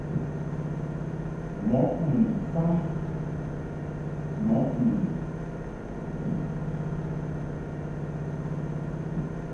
Mɔʼ mun mfa mɔʼ mun mfɨ.